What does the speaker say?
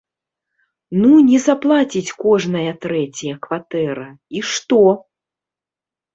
Ну, не заплаціць кожная трэцяя кватэра, і што?